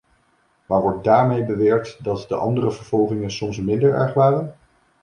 Maar wordt daarmee beweerd dat de andere vervolgingen soms minder erg waren?